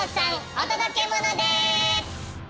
お届けモノです！